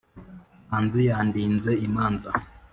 manzi yandinze imanza,